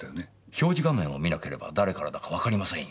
表示画面を見なければ誰からだかわかりませんよ。